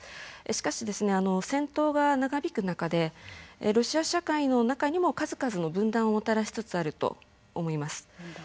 しかし、戦闘が長引く中でロシア社会の中にも数々の分断をもたらしつつあると思います。